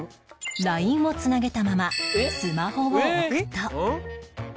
ＬＩＮＥ を繋げたままスマホを置くと